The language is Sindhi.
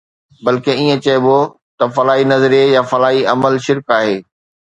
بلڪ ائين چئبو ته فلاڻي نظريي يا فلاڻي عمل شرڪ آهي.